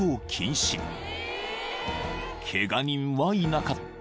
［ケガ人はいなかった］